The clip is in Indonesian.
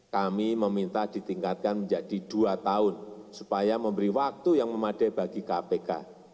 kami meminta ditingkatkan menjadi dua tahun supaya memberi waktu yang memadai bagi kpk